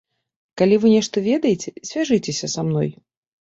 Калі вы нешта ведаеце, звяжыцеся са мной.